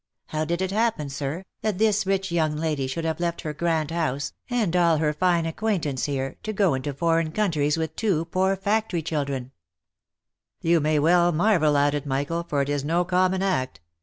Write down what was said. How did it happen, sir, that this rich young lady should have left her grand house, and all 326 THE LIFE AND ADVENTURES her fine acquaintance here, to go into^ foreign countries with two poor factory children V* " You may well marvel at it, Michael, for it is no common act.